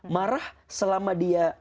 marah selama dia